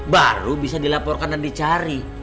baru bisa dilaporkan dan dicari